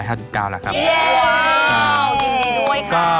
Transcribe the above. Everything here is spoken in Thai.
ยินดีด้วยค่ะ